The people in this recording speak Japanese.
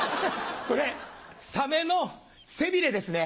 これサメの背びれですね